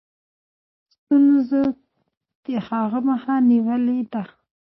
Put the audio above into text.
ستونزو د هغه مخه نیولې ده.